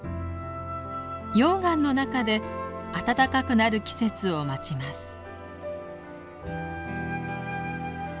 溶岩の中で暖かくなる季節を待ちます。